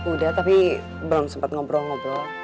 udah tapi belum sempat ngobrol ngobrol